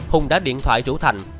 hùng đã điện thoại rủ thành